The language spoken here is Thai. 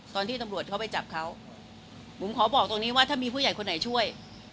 ตอนที่ตำรวจเขาไปจับเขาบุ๋มขอบอกตรงนี้ว่าถ้ามีผู้ใหญ่คนไหนช่วย